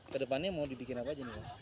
ke depannya mau dibikin apa aja nih pak